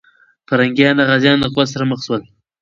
پرنګیان د غازيانو د قوت سره مخ سول.